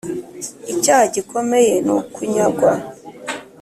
icyaha gikomeye ni ukunyagwa